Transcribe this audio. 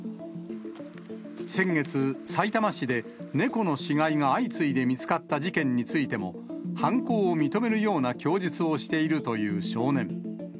先月、さいたま市で猫の死骸が相次いで見つかった事件についても、犯行を認めるような供述をしているという少年。